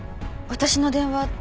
私の電話